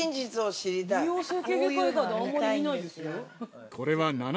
美容整形外科以外であんまり見ないですよ。